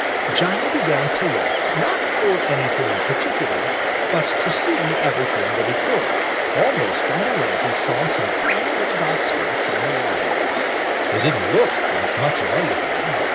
Johnny began to look, not for anything in particular, but to see everything that he could. Almost right away he saw some tiny little dark spots on the water. They didn't look like much of anything.